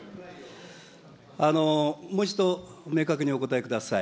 もう一度明確にお答えください。